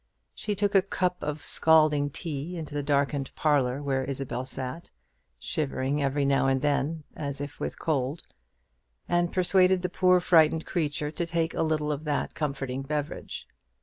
She took a cup of scalding tea into the darkened parlour where Isabel sat, shivering every now and then as if with cold, and persuaded the poor frightened creature to take a little of that comforting beverage.